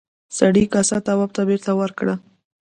سړي کاسه تواب ته بېرته ورکړه.